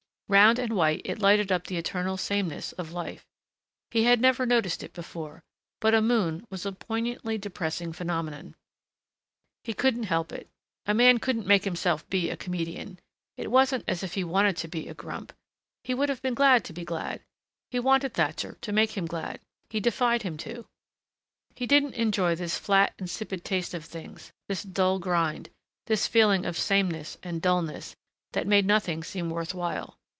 Round and white, it lighted up the eternal sameness of life.... He had never noticed it before, but a moon was a poignantly depressing phenomenon. He couldn't help it. A man couldn't make himself be a comedian. It wasn't as if he wanted to be a grump. He would have been glad to be glad. He wanted Thatcher to make him glad. He defied him to. He didn't enjoy this flat, insipid taste of things, this dull grind, this feeling of sameness and dullness that made nothing seem worth while....